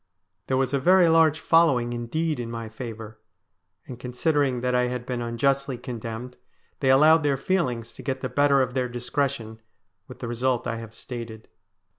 There was a very large following indeed in my favour, and, considering that I had been unjustly condemned, they allowed their feelings to get the better of their discretion, with the result I have stated.